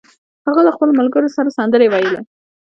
هغه له خپلو ملګرو سره سندرې ویلې